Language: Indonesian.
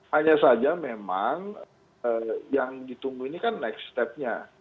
hanya saja memang yang ditunggu ini kan next stepnya